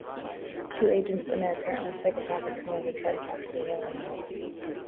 Two agents and their apparently psychopathic commander try to capture the aliens.